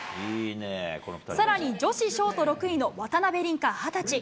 さらに、女子ショート６位の渡辺倫果２０歳。